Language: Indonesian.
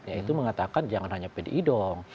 yaitu mengatakan jangan hanya pdi dong